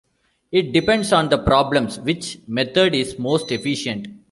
It depends on the problems, which method is most efficient.